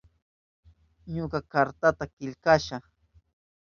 Ñuka kartata killkasha.